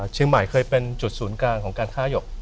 เชียงใหม่เคยเป็นจุดศูนย์กลางของการฆ่าหยก